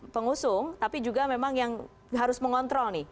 pengusung tapi juga memang yang harus mengontrol nih